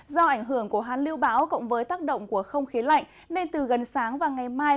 do ảnh hưởng của hán lưu bão cộng với tác động của không khí lạnh nên từ gần sáng và ngày mai